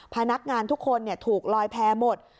พนักงานทุกคนถูกลอยแพ้หมด